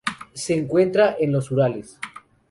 Se encuentra en los Urales.